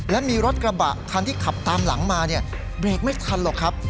และมีรถกระบะคันที่ขับตามหลังมาเนี่ยเบรกไม่ทันหรอกครับ